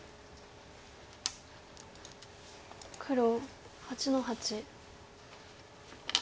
黒８の八。